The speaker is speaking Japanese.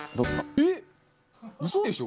えっ！